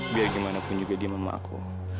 biar gimana pun juga dia memaku